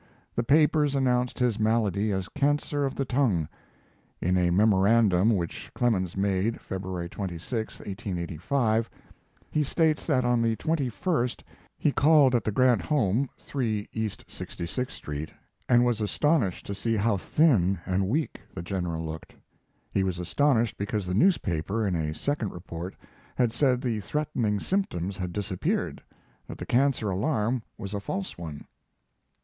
The papers announced his malady as cancer of the tongue. In a memorandum which Clemens made, February 26, 1885, he states that on the 21st he called at the Grant home, 3 East 66th Street, and was astonished to see how thin and weak the General looked. He was astonished because the newspaper, in a second report, had said the threatening symptoms had disappeared, that the cancer alarm was a false one.